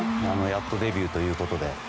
やっとデビューということで。